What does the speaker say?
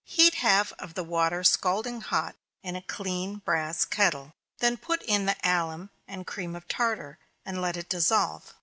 Heat half of the water scalding hot, in a clean brass kettle, then put in the alum and cream of tartar, and let it dissolve.